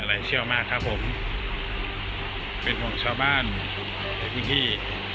หลายเชี่ยวมากครับผมเป็นห่วงชาวบ้านและพี่ที่